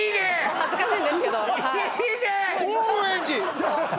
恥ずかしいんですけどいいね！